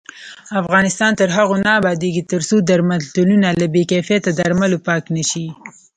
افغانستان تر هغو نه ابادیږي، ترڅو درملتونونه له بې کیفیته درملو پاک نشي.